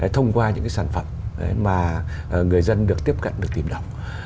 thông qua những sản phẩm mà người dân được tiếp cận được tìm đọc